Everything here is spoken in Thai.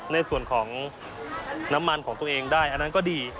ในส่วนของน้ำมันของตัวเองได้อันนั้นก็ดี